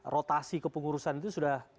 rotasi kepengurusan itu sudah